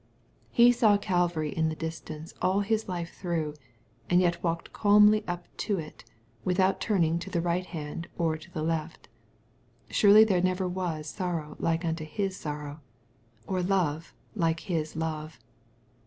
He saw Calvary in the distance all His life through, and yet walked calmly up to it, without turning to the right hand or to the left. Surely there never was sorrow like unto His sorrow, or love like His love.